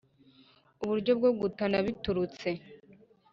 Uburyo bwo gutana biturutse